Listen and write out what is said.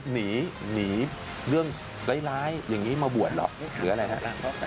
หนีเรื่องร้ายอย่างนี้มาบวชหรอกหรืออะไรฮะ